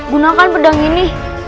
gunakan pedang ini